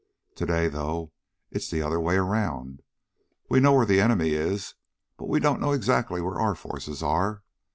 Today, though, it's the other way around. We know where the enemy is, but we don't know exactly where our forces are.